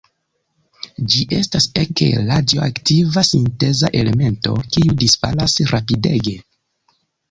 Ĝi estas ege radioaktiva sinteza elemento, kiu disfalas rapidege.